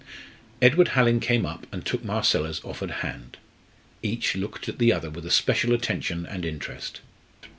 Edward Hallin came up and took Marcella's offered hand. Each looked at the other with a special attention and interest.